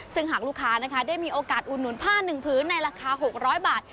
ซึ่งหากลูกค้านะคะได้มีโอกาสอุดหนุนผ้า๑พื้นในราคา๖๐๐บาท